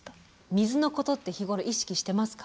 水のことって日頃意識してますか？